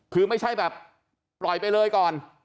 คือไม่ใช่แบบปล่อยไปเลยก่อน